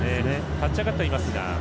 立ち上がってはいますが。